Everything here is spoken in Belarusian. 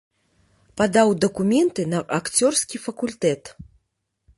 Падаў дакументы на акцёрскі факультэт.